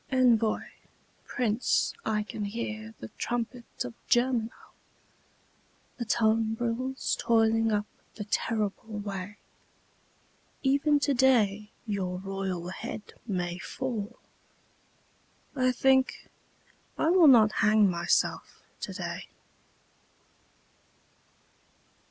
Envoi Prince, I can hear the trumpet of Germinal, The tumbrils toiling up the terrible way; Even today your royal head may fall I think I will not hang myself today.